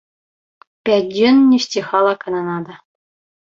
Пяць дзён не сціхала кананада.